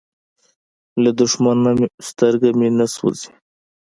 له دښمنه سترګه مې نه سوزي.